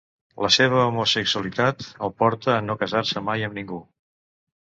La seva homosexualitat el porta a no casar-se mai amb ningú.